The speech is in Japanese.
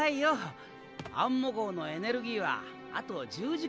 アンモ号のエネルギーはあと１０時間はもつから。